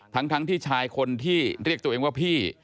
ทั้งที่ชายคนที่เรียกตัวเองว่าพี่